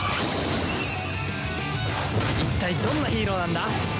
いったいどんなヒーローなんだ？